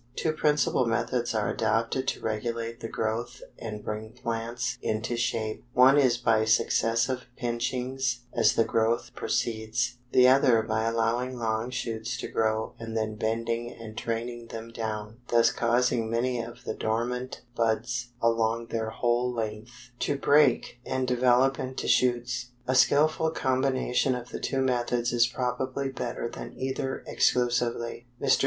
Two principal methods are adopted to regulate the growth and bring plants into shape: one is by successive pinchings as the growth proceeds, the other by allowing long shoots to grow and then bending and training them down, thus causing many of the dormant buds along their whole length to break and develop into shoots. A skillful combination of the two methods is probably better than either exclusively." Mr.